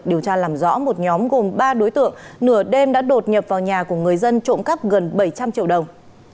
điều tra làm rõ một nhóm gồm ba đối tượng nửa đêm đã đột nhập vào nhà của người dân trộm cắp gần bảy trăm linh triệu đồng